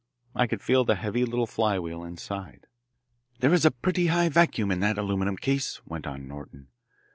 I could feel the heavy little flywheel inside. "There is a pretty high vacuum in that aluminum case," went on Norton.